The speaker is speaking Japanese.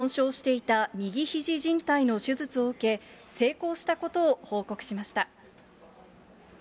エンゼルスの大谷翔平選手が、損傷していた右ひじじん帯の手術を受け、成功したことを報告しました。